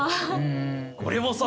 俺もさ